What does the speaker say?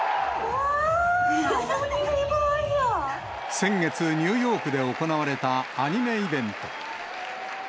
先月、ニューヨークで行われたアニメイベント。